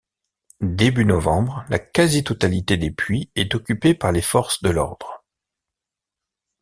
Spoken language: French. Début novembre, la quasi-totalité des puits est occupée par les forces de l'ordre.